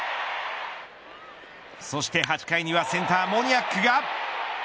そして８回にはセンター、モニアクが。